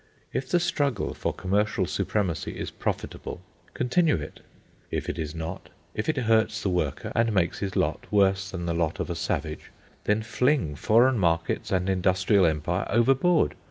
If the struggle for commercial supremacy is profitable, continue it. If it is not, if it hurts the worker and makes his lot worse than the lot of a savage, then fling foreign markets and industrial empire overboard.